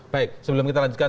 baik sebelum kita lanjutkan